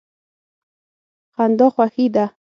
خندا خوښي ده.